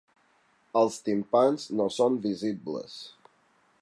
Els timpans no són visibles.